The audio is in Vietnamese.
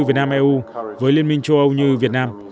việt nam eu với liên minh châu âu như việt nam